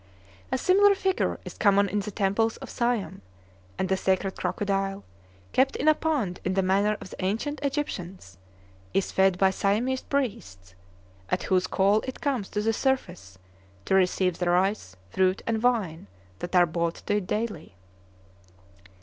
A similar figure is common in the temples of Siam; and a sacred crocodile, kept in a pond in the manner of the ancient Egyptians, is fed by Siamese priests, at whose call it comes to the surface to receive the rice, fruit, and wine that are brought to it daily.